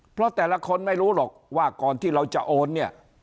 เพราะแต่ละคนไม่รู้หรอกว่าก่อนที่เราจะโอนเนี่ย